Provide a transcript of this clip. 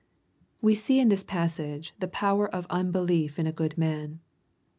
We see in this passage^ the power of unbdief in a good man.